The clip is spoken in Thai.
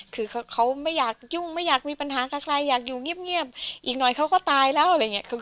คือเขาไม่อยากยุ่งไม่อยากมีปัญหากับใครอยากอยู่เงียบอีกหน่อยเขาก็ตายแล้วอะไรอย่างนี้